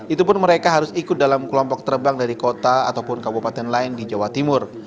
itu pun mereka harus ikut dalam kelompok terbang dari kota ataupun kabupaten lain di jawa timur